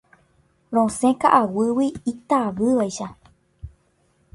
Rosẽ ka'aguy'ígui itavývaicha.